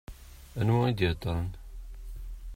Anwa i d-iheddṛen?